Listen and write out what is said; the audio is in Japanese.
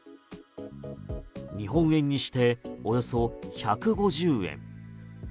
日本円にしておよそ１５０円。